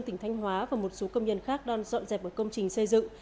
tỉnh thanh hóa và một số công nhân khác đoàn dọn dẹp một công trình xây dựng